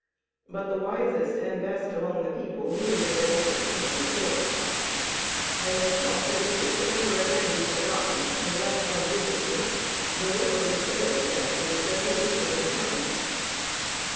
But the wisest and best among the people knew that it all came from the Source, and they taught that if it should ever again be forgotten and left unvisited the river would fail again and desolation return.